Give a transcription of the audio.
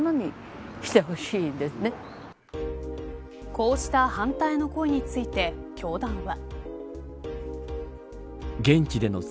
こうした反対の声について教団は。